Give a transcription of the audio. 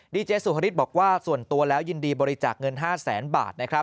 ดีเจสุฮริสบอกว่าส่วนตัวแล้วยินดีบริจาคเงิน๕แสนบาทนะครับ